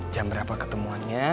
jam berapa ketemuannya